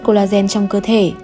collagen trong cơ thể